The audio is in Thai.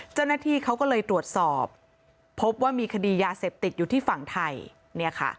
เจ้าหน้าที่เขาก็เลยตรวจสอบพบว่ามีคดียาเสพติดอยู่ที่ฝั่งไทยเนี่ยค่ะ